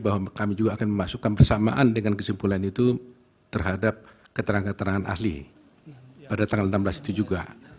bahwa kami juga akan memasukkan bersamaan dengan kesimpulan itu terhadap keterangan keterangan ahli pada tanggal enam belas itu juga